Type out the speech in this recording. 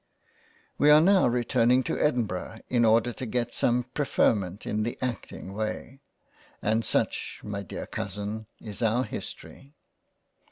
We are now returning to Edinburgh in order to get some preferment in the Acting way ; and such my Dear Cousin is our History."